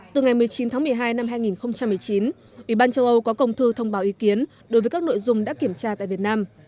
từ ngày một mươi chín tháng một mươi hai năm hai nghìn một mươi chín ủy ban châu âu có công thư thông báo ý kiến đối với các nội dung đã kiểm tra tại việt nam